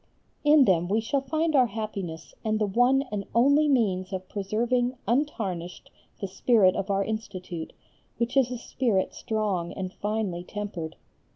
In them we shall find our happiness and the one and only means of preserving untarnished the spirit of our Institute, which is a spirit strong and finely tempered.